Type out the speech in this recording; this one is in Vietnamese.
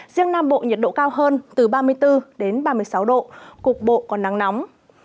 riêng nam bộ nhiệt độ cao hơn từ ba mươi bốn đến ba mươi sáu độ cục bộ có nắng nóng